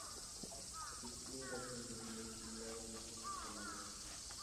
Su estilo era sobrio y equilibrado, de pocas palabras.